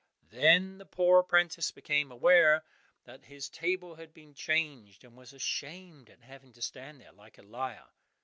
Then the poor apprentice became aware that his table had been changed, and was ashamed at having to stand there like a liar.